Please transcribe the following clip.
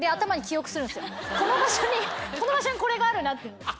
この場所にこれがあるなって。